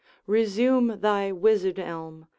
Resume thy wizard elm!